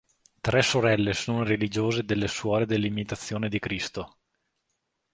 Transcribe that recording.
Tre sorelle sono religiose delle suore dell'imitazione di Cristo.